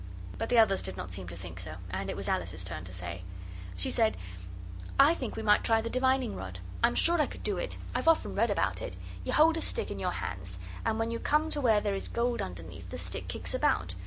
But the others did not seem to think so, and it was Alice's turn to say. She said, 'I think we might try the divining rod. I'm sure I could do it. I've often read about it. You hold a stick in your hands, and when you come to where there is gold underneath the stick kicks about.